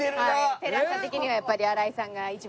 テレ朝的にはやっぱり新井さんが一番。